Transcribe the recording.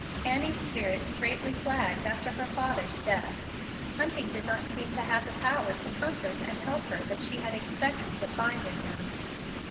Annie's spirits greatly flagged after her father's death. Hunting did not seem to have the power to comfort and help her that she had expected to find in him.